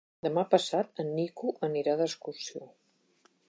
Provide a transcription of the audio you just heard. Demà passat en Nico anirà d'excursió.